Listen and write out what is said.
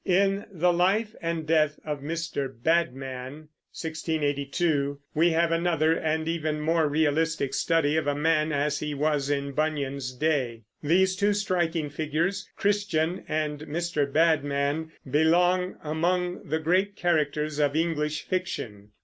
In The Life and Death of Mr. Badman (1682) we have another and even more realistic study of a man as he was in Bunyan's day. These two striking figures, Christian and Mr. Badman, belong among the great characters of English fiction.